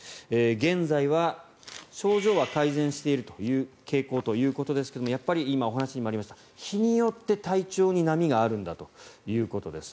現在は症状は改善している傾向ということですがやっぱり今、お話にありました日によって体調に波があるんだということです。